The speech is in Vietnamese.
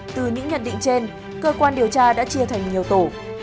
từ những nhận định trên cơ quan điều tra đã chia thành nhiều tổ